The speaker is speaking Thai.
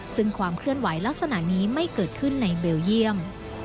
ซึ่งความเคลื่อนไหวลักษณะนี้ไม่เกิดขึ้นในเบลเยี่ยม